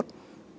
thế giới ảo đó